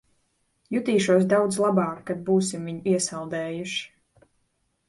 Jutīšos daudz labāk, kad būsim viņu iesaldējuši.